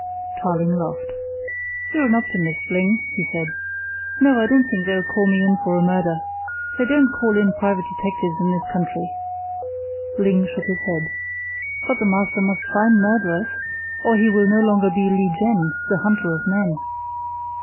Tarling laughed. "You're an optimist, Ling," he said. "No, I don't think they'll call me in for a murder. They don't call in private detectives in this country." Ling shook his head. "But the master must find murderers, or he will no longer be Lieh Jen, the Hunter of Men."